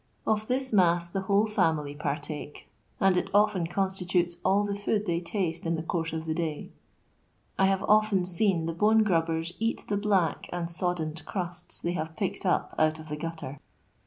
Of thte nuui the whole fiumily partake, and it often conatitatei all the food they taste in the coone of the day. 1 have often leen the bone gmbben eat the black and eoddened cnuts they hare picked up out of the gutter.